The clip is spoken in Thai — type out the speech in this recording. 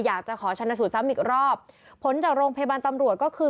อยากจะขอชนะสูตรซ้ำอีกรอบผลจากโรงพยาบาลตำรวจก็คือ